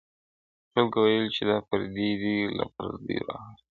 خلکو ویل چي دا پردي دي له پردو راغلي!!